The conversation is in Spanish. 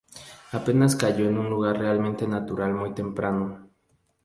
Apenas cayó en un lugar realmente natural muy temprano.